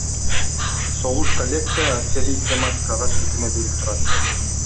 Согуш Коллекция аскерий тематикага шилтеме берип турат.